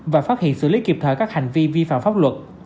và phát hiện xử lý kịp thời các hành vi vi phạm pháp luật